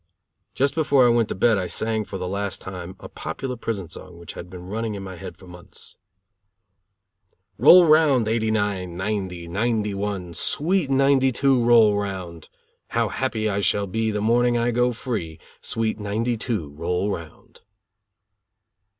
Just before I went to bed I sang for the last time a popular prison song which had been running in my head for months: "Roll round, '89, '90, '91, sweet '92 roll around. How happy I shall be the morning I go free, sweet '92 roll around."